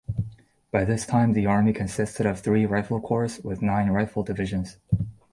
By this time the army consisted of three Rifle Corps with nine rifle divisions.